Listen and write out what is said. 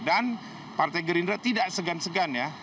dan partai gerindra tidak segan segan ya